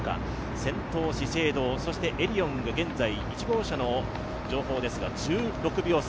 先頭は資生堂、エディオンが現在、１号車の情報ですが１６秒差